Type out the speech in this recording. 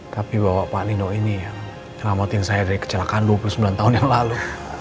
tapi bapak pak nino ini yang selamatin saya dari kecelakaan dua puluh sembilan tahun yang lalu